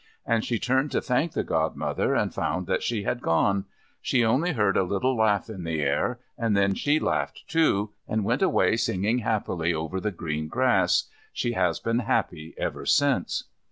And she turned to thank the Godmother, and found that she had gone. She only heard a little laugh in the air, and then she laughed, too, and went away singing happily over the green grass. She has been happy ever since.